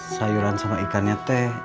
sayuran sama ikannya teh